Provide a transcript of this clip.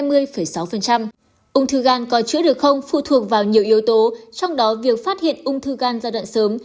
ung thư gan có chữa được không phụ thuộc vào nhiều yếu tố trong đó việc phát hiện ung thư gan giai đoạn sớm